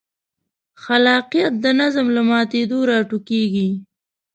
خلاقیت د نظم له ماتېدو راټوکېږي.